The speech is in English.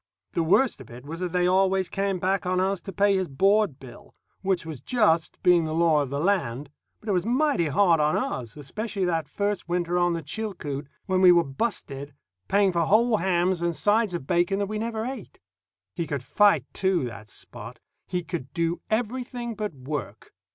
The worst of it was that they always came back on us to pay his board bill, which was just, being the law of the land; but it was mighty hard on us, especially that first winter on the Chilcoot, when we were busted, paying for whole hams and sides of bacon that we never ate. He could fight, too, that Spot. He could do everything but work.